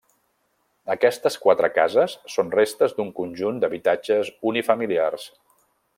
Aquestes quatre cases són restes d'un conjunt d'habitatges unifamiliars.